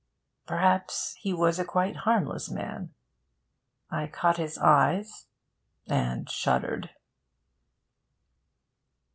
Perhaps he was a quite harmless man...I caught his eyes, and shuddered...